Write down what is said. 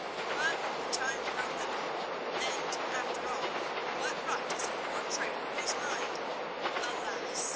But the times grow liberal, and, after all, what right has a poor trader whose mind, alas!